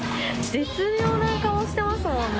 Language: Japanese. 絶妙な顔してますもんね。